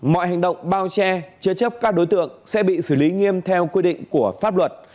mọi hành động bao che chế chấp các đối tượng sẽ bị xử lý nghiêm theo quy định của pháp luật